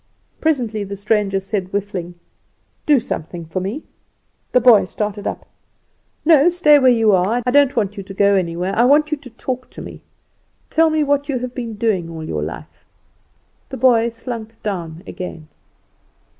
Presently the stranger said, whiffing, "Do something for me." The boy started up. "No; stay where you are. I don't want you to go anyowhere; I want you to talk to me. Tell me what you have been doing all your life." The boy slunk down again.